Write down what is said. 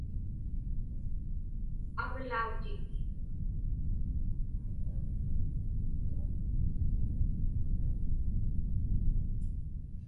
aglautik